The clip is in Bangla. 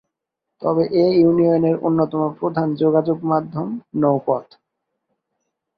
তবে এ ইউনিয়নের অন্যতম প্রধান যোগাযোগ মাধ্যম নৌপথ।